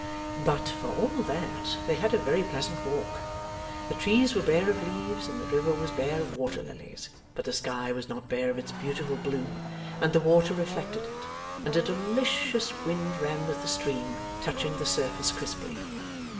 But, for all that, they had a very pleasant walk. The trees were bare of leaves, and the river was bare of water lilies; but the sky was not bare of its beautiful blue, and the water reflected it, and a delicious wind ran with the stream, touching the surface crisply.